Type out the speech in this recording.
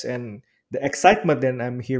dan kegembiraan yang saya dengar